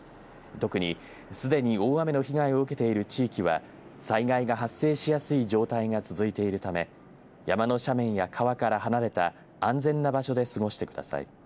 特にすでに大雨の被害を受けている地域は災害が発生しやすい状態が続いているため山の斜面や川から離れた安全な場所で過ごしてください。